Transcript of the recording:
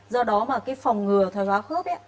do đó mà cái phòng ngừa thoải hóa khớp